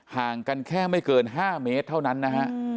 ห่างกันแค่ไม่เกิน๕เมตรเท่านั้นนะฮะ